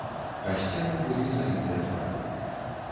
А сцены былі залітыя фарбай.